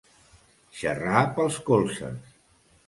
Xerrar pels colzes.